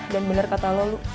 dan bener kata lo lo